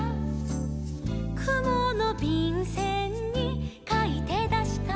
「くものびんせんにかいてだした」